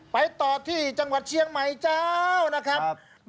ไปต่อที่จังหวัดเชียงใหม่เจ้านะครับ